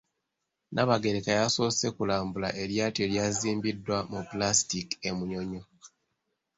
Nnaabagereka yasoose kulambula eryato eryazimbiddwa mu Pulaasitiiki e Munyonyo.